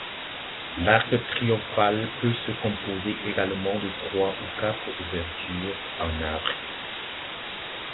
L'arc triomphal peut se composer également de trois ou quatre ouvertures en arc.